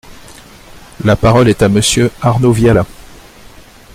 La parole est à Monsieur Arnaud Viala.